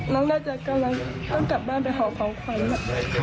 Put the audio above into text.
น้องน่าจะกำลังต้องกลับบ้านไปหอบของขวัญ